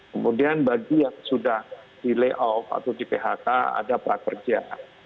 kemudian bagi yang sudah di layoff atau di phk ada prakerja